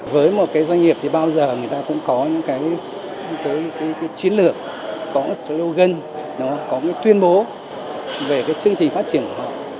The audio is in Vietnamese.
với một cái doanh nghiệp thì bao giờ người ta cũng có những cái chiến lược có slogan nó có cái tuyên bố về cái chương trình phát triển của họ